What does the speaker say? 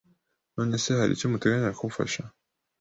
None se haricyo muteganya kumfasha